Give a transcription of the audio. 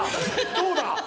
どうだ？